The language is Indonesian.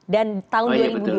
dan tahun dua ribu dua